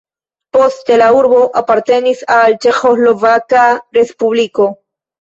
Poste la urbo apartenis al Ĉeĥoslovaka respubliko.